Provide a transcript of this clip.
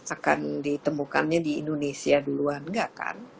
akan ditemukannya di indonesia duluan enggak kan